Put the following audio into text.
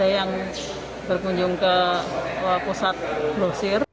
yang berkunjung ke pusat perbelanjaan indogrosir